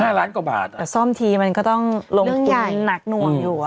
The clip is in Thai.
ห้าล้านกว่าบาทแต่ซ่อมทีมันก็ต้องลงเรื่องใหญ่หนักหน่วงอยู่อ่ะ